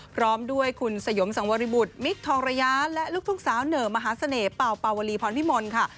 พร้อมด้วยคุณสยมสังวริบุตรมิคทองระยะและลูกทุ่งสาวเหน่อมหาเสน่หเป่าเป่าวลีพรพิมลค่ะ